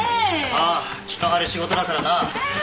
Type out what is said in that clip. ああ気が張る仕事だからな。